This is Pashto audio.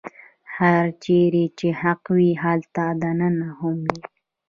هرچېرې چې حق وي هلته دنده هم وي.